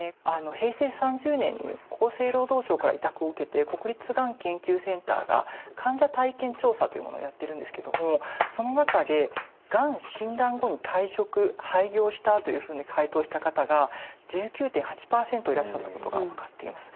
平成３０年に厚生労働省から委託を受けて国立がん研究センターが患者体験調査というものをやってるんですけどもその中でがん診断後に退職廃業したというふうに回答した方が１９．８％いらっしゃったことが分かっています。